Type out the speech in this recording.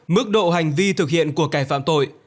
mức độ hành vi thực hiện của cải phạm tội